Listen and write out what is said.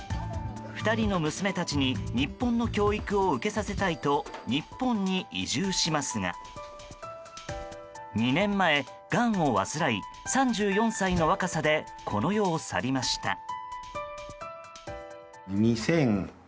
２人の娘たちに日本の教育を受けさせたいと日本に移住しますが２年前、がんを患い３４歳の若さでこの世を去りました。